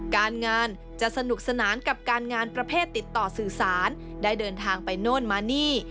การงานจะสนุกสนานกับการงานประเภทติดต่อสื่อสารได้เดินทางไปโน่นมานี่